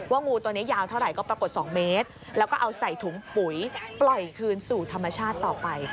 งูตัวนี้ยาวเท่าไหร่ก็ปรากฏ๒เมตรแล้วก็เอาใส่ถุงปุ๋ยปล่อยคืนสู่ธรรมชาติต่อไป